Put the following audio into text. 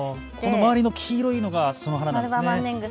周りの黄色いのがその花なんですね。